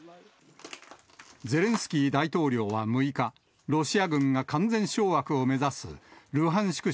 ゼレンスキー大統領は６日、ロシア軍が完全掌握を目指すルハンシク